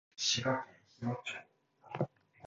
滋賀県日野町